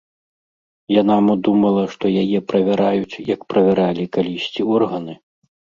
Яна мо думала, што яе правяраюць, як правяралі калісьці органы?